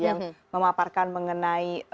yang memaparkan mengenai